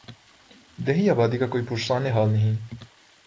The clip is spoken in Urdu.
دیہی آبادی کا کوئی پرسان حال نہیں۔